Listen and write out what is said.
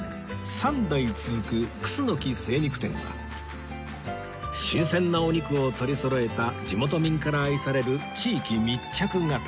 ３代続く楠精肉店は新鮮なお肉を取りそろえた地元民から愛される地域密着型